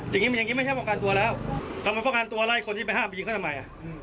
อย่างนี้มันอย่างนี้ไม่ใช่ป้องกันตัวแล้วทำไมป้องกันตัวไล่คนที่ไปห้ามไปยิงเขาทำไมอ่ะ